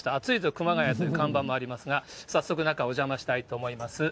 熊谷という看板もありますが、早速、中、お邪魔したいと思います。